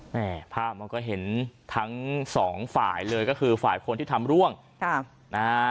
ภาพมันก็เห็นทั้งสองฝ่ายเลยก็คือฝ่ายคนที่ทำร่วงค่ะนะฮะ